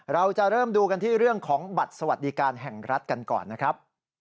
เราจะเริ่มดูกันที่เรื่องของบัตรสวัสดิการแห่งรัฐกันก่อนนะครับ